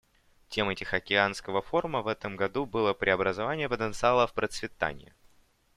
Темой Тихоокеанского форума в этом году было "Преобразование потенциала в процветание".